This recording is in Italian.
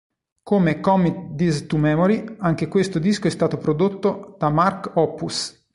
Come Commit This To Memory, anche questo disco è stato prodotto da Mark Hoppus.